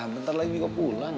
bentar lagi mau pulang